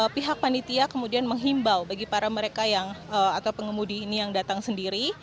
pihak panitia kemudian menghimbau bagi para mereka yang atau pengemudi ini yang datang sendiri